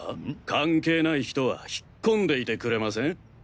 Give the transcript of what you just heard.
関係ない人は引っ込んでいてくれません？